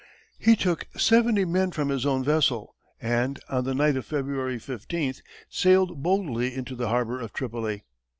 He took seventy men from his own vessel, and, on the night of February 15, sailed boldly into the harbor of Tripoli.